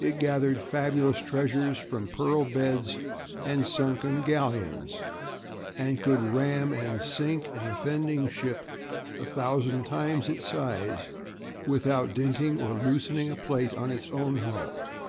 It gathered fabulous treasures from pearl beds and sunken galleons; and could ram and sink an offending ship a thousand times its size without dinting or loosening a plate on its own hull.